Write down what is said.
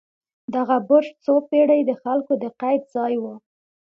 دغه برج څو پېړۍ د خلکو د قید ځای و.